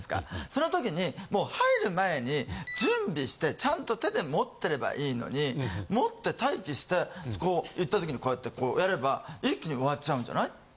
その時にもう入る前に準備してちゃんと手で持ってればいいのに持って待機して行った時にこうやってこうやれば一気に終わっちゃうんじゃない？